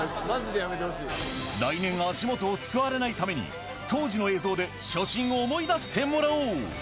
来年足元をすくわれないために、当時の映像で初心を思い出してもらおう。